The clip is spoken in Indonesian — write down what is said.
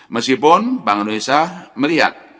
meskipun bank indonesia melihat